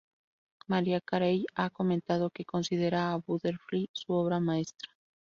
Mariah Carey ha comentado que considera a Butterfly su obra maestra.